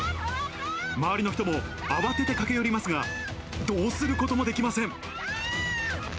周りの人も慌てて駆け寄りますが、どうすることもできません。